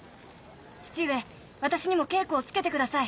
父上私にも稽古をつけてください。